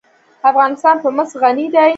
افغانستان په مس غني دی.